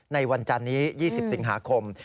ในวันจันนี้๒๐สิงหาคม